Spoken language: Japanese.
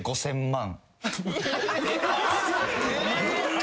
５，０００万！？